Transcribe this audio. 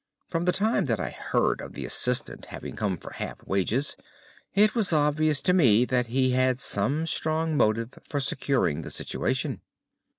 From the time that I heard of the assistant having come for half wages, it was obvious to me that he had some strong motive for securing the situation."